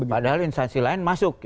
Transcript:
padahal instansi lain masuk